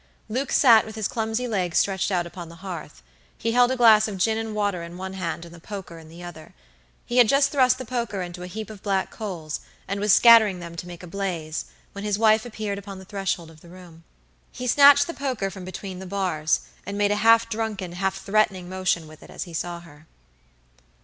Luke sat with his clumsy legs stretched out upon the hearth. He held a glass of gin and water in one hand and the poker in the other. He had just thrust the poker into a heap of black coals, and was scattering them to make a blaze, when his wife appeared upon the threshold of the room. He snatched the poker from between the bars, and made a half drunken, half threatening motion with it as he saw her.